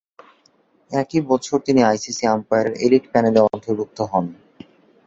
একই বছর তিনি আইসিসি আম্পায়ারের এলিট প্যানেলে অন্তর্ভুক্ত হন।